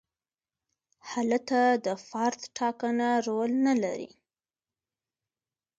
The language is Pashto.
هلته د فرد ټاکنه رول نه لري.